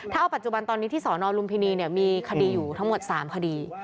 ถ้าเอาปัจจุบันตอนนี้ที่สนลุมพินีมีคดีอยู่ทั้งหมด๓คดี